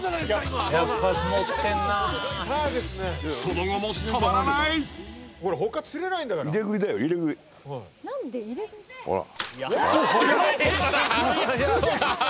［その後も止まらない］ほら。